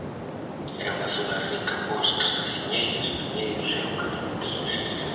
É unha zona rica en bosques de aciñeiras, piñeiros e eucaliptos.